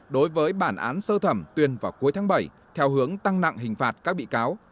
đối với bản án sơ thẩm tuyên vào cuối tháng bảy theo hướng tăng nặng hình phạt các bị cáo